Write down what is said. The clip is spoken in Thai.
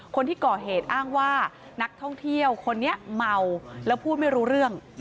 คนที่ก่อเหตุอ้างว่านักท่องเที่ยวคนนี้เมาแล้วพูดไม่รู้เรื่อง